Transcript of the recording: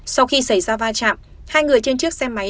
sau khi xảy ra va chạm hai người trên chiếc xe máy